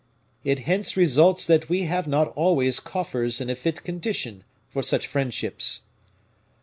It hence results that we have not always coffers in a fit condition for such friendships."